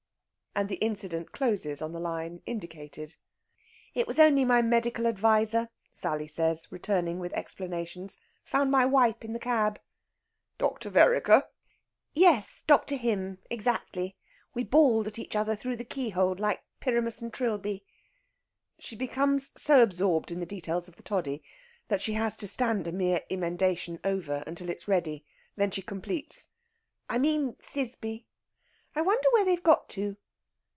And the incident closes on the line indicated. "It was only my medical adviser," Sally says, returning with explanations. "Found my wipe in the cab." "Dr. Vereker?" "Yes. Dr. Him. Exactly! We bawled at each other through the keyhole like Pyramus and Trilby " She becomes so absorbed in the details of the toddy that she has to stand a mere emendation over until it is ready. Then she completes: "I mean Thisbe. I wonder where they've got to?"